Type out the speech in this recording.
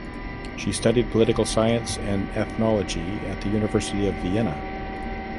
She studied political science and ethnology at the University of Vienna.